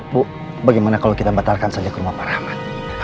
bu bagaimana kalau kita batalkan saja ke rumah pak rahmat